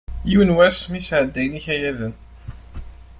Yiwen wass mi sɛeddayen ikayaden.